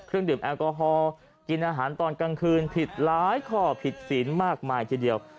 เครื่องดื่มแอลกอฮอล์กินอาหารตอนกลางคืนผิดหลายข้อผิดศีลมากมายทีเดียว